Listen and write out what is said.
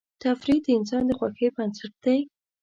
تفریح د انسان د خوښۍ بنسټ دی.